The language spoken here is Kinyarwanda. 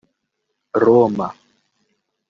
Roma